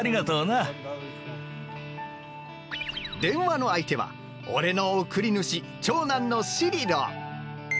電話の相手は俺の送り主長男のシリロ。